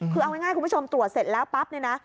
คือเอาง่ายคุณผู้ชมตรวจเสร็จแล้วปั๊บเนี่ยนะ